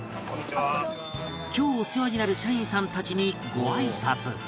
今日お世話になる社員さんたちにご挨拶